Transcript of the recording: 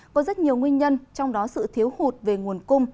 có rất nhiều nguyên nhân trong đó sự thiếu hụt về nguồn cung